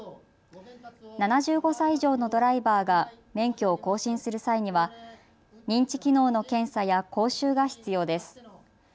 ７５歳以上のドライバーが免許を更新する際には認知機能の検査や講習が必要です。